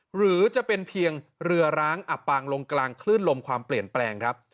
หรือจะเป็นเพียงเรือร้างอับปางลงกลางคลื่นลมความเปลี่ยนแปลงครับ